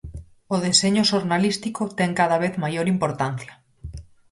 O deseño xornalístico ten cada vez maior importancia.